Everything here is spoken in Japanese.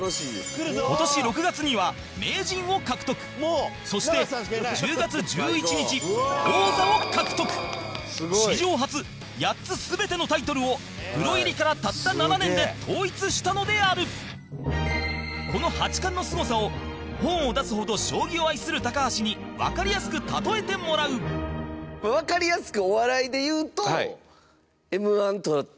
今年６月には、名人を獲得そして、１０月１１日王座を獲得史上初、８つ全てのタイトルをプロ入りから、たった７年で統一したのであるこの八冠のすごさを本を出すほど将棋を愛する高橋にわかりやすく例えてもらうわかりやすく。